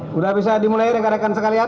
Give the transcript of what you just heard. sudah bisa dimulai rekan rekan sekalian